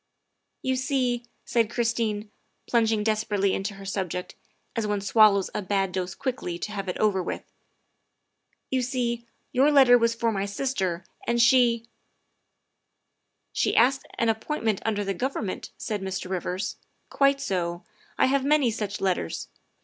" You see," said Christine, plunging desperately into her subject, as one swallows a bad dose quickly to have it over with, " you see, your letter was for my sister, and she "" She asked an appointment under the Government," said Mr. Rivers; " quite so. I have many such letters.